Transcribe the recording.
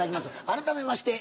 改めまして